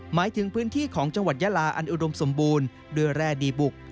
หมายถึงพื้นที่ของจังหวัดยาลาอันอุดมสมบูรณ์ด้วยแร่ดีบุก